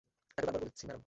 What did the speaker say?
তাকে বারবার বলেছি, ম্যাডাম।